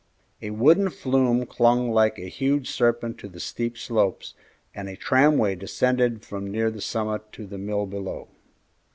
A wooden flume clung like a huge serpent to the steep slopes, and a tramway descended from near the summit to the mill below.